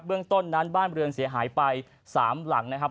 เรื่องต้นนั้นบ้านเรือนเสียหายไป๓หลังนะครับ